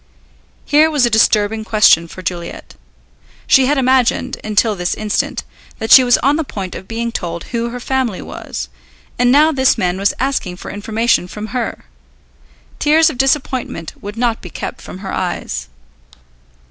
Here was a disturbing question for Juliet. She had imagined, until this instant, that she was on the point of being told who her family was, and now this man was asking for information from her. Tears of disappointment would not be kept from her eyes.